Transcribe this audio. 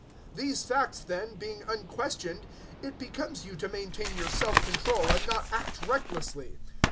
019:036 These facts, then, being unquestioned, it becomes you to maintain your self control and not act recklessly.